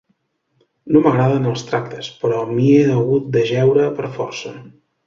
No m'agraden els tractes, però m'hi he hagut d'ajeure per força.